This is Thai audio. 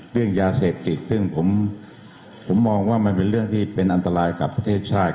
เรื่องยาเสพติดซึ่งผมมองว่ามันเป็นเรื่องที่เป็นอันตรายกับประเทศชาติ